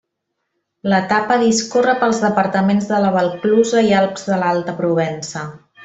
L'etapa discorre pels departaments de la Valclusa i Alps de l'Alta Provença.